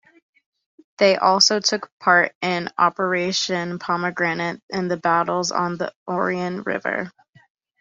They also took part in Operation Pomegranate and the battles on the Orne River.